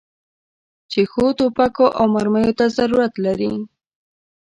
چې ښو توپکو او مرمیو ته ضرورت لري.